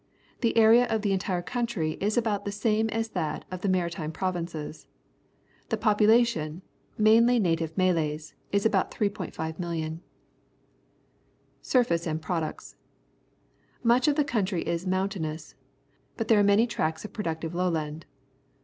The area of the entire coimtry is about the same as that of the Maritime Provinces. The population, mainly native Malays, is about 3,500,000. Surface and Products. — Much of the coun try is mountainous, but there are many tracts of productive lowland.